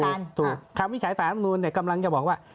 ถูกถูกคำวิจัยศาสตร์ธรรมดุลกำลังจะบอกว่า